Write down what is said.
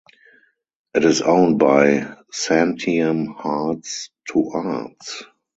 It is owned by Santiam Hearts to Arts.